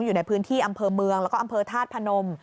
อยู่ในพื้นที่อำเภอเมืองแล้วก็อำเภอธาตุพนม